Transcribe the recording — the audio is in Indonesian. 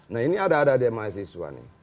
nah ini ada ada dia mahasiswa nih